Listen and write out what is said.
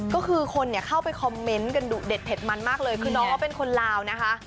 ก็คือคนเข้าไปคอมเมนต์กันดุเด็ดเด็ดมันมากเลยคือน้องเขาเป็นคนลาวนะคะ